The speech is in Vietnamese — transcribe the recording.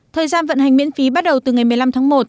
thời gian vận hành miễn phí bắt đầu từ ngày một mươi năm tháng một